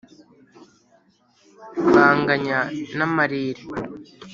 Banganya n' amarere